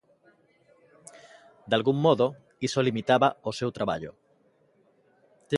Dalgún modo iso limitaba o seu traballo?